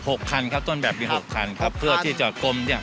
คันครับต้นแบบมีหกคันครับเพื่อที่จะกลมเนี้ย